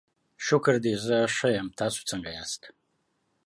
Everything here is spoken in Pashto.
شکر دی، ښه یم، تاسو څنګه یاست؟